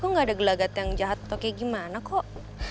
kok gak ada gelagat yang jahat atau kayak gimana kok